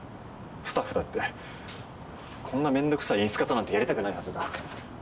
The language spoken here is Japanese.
スタッフだってこんなめんどくさい演出家となんてやりたくないはずだ。